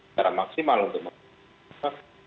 sebenarnya maksimal untuk maksimal